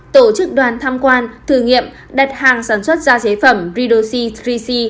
tổ chức đoàn tham quan thử nghiệm đặt hàng sản xuất gia chế phẩm ridoc ba c